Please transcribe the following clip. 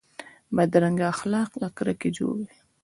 بدرنګه اخلاق له کرکې جوړ وي